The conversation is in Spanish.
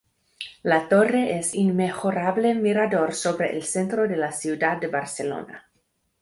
La torre es inmejorable mirador sobre el centro de la ciudad de Barcelona.